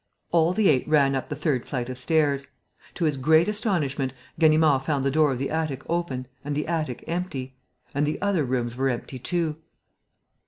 All the eight ran up the third flight of stairs. To his great astonishment, Ganimard found the door of the attic open and the attic empty. And the other rooms were empty too.